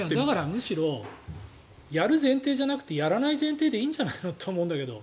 むしろやる前提じゃなくてやらない前提でいいんじゃないのって思うけど。